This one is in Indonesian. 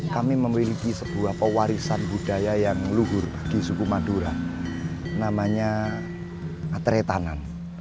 kami memiliki sebuah pewarisan budaya yang luhur bagi suku madura namanya atretanan